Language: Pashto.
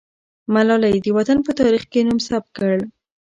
ملالۍ د وطن په تاریخ کې نوم ثبت کړ.